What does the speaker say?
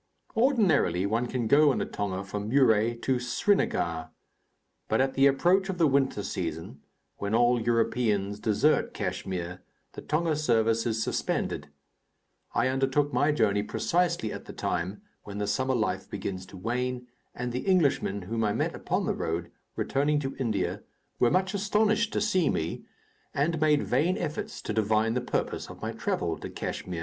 Ordinarily, one can go in a tonga from Muré to Srinagar; but at the approach of the winter season, when all Europeans desert Kachmyr, the tonga service is suspended. I undertook my journey precisely at the time when the summer life begins to wane, and the Englishmen whom I met upon the road, returning to India, were much astonished to see me, and made vain efforts to divine the purpose of my travel to Kachmyr.